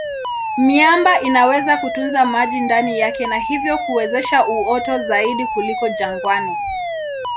Miamba inaweza kutunza maji ndani yake na hivyo kuwezesha uoto zaidi kuliko jangwani.